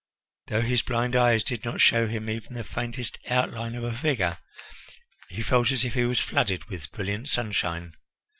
Though his blind eyes did not show him even the faintest outline of a figure, he felt as if he was flooded with brilliant sunshine.